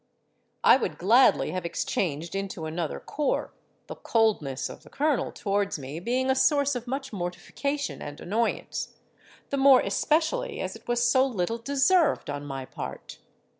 I would gladly have exchanged into another corps, the coldness of the colonel towards me being a source of much mortification and annoyance—the more especially as it was so little deserved on my part.